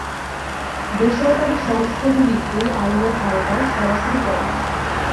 বেসরকারী সংস্থাগুলি এই আইনের আওতায় সরাসরি পড়ে না।